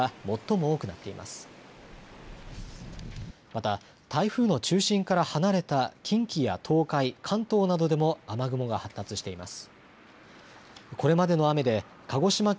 また台風の中心から離れた近畿や東海、関東などでも雨雲が発達しています。